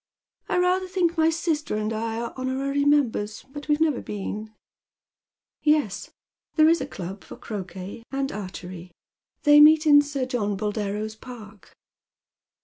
" I rather think my sister and I are Jionorary members, but we've never been." _" Yes, thele is a club for croquet and archery. They meet in Sir John Boldero's park."